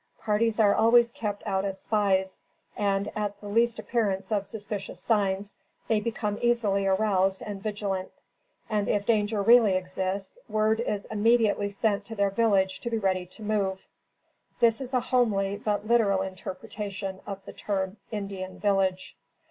Parties are always kept out as spies, and, at the least appearance of suspicious signs, they become easily aroused and vigilant, and if danger really exists, word is immediately sent to their village to be ready to move. This is a homely but literal interpretation of the term Indian village.